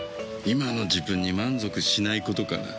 今の自分に満足しないことかな。